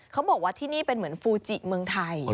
เขาบอกว่าที่นี่เป็นเหมือนฟูจิเมืองไทย